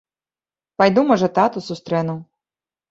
Пайду, можа, тату сустрэну.